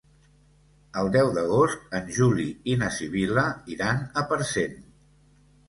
El deu d'agost en Juli i na Sibil·la iran a Parcent.